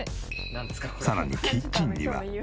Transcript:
さらにキッチンには。